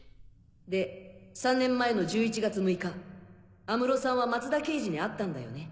で３年前の１１月６日安室さんは松田刑事に会ったんだよね？